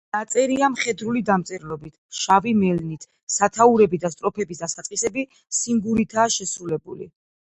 ნაწერია მხედრული დამწერლობით, შავი მელნით; სათაურები და სტროფების დასაწყისები სინგურითაა შესრულებული.